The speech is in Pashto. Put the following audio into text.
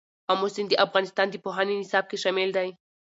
آمو سیند د افغانستان د پوهنې نصاب کې شامل دی.